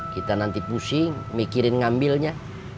kita nanti pusing mikirin ngambilnya